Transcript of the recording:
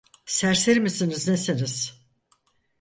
Serseri misiniz nesiniz?